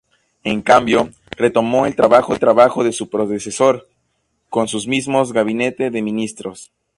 En cambio, retomó el trabajo de su predecesor, con sus mismo gabinete de ministros.